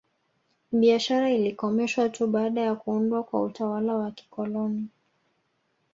Biashara ilikomeshwa tu baada ya kuundwa kwa utawala wa kikoloni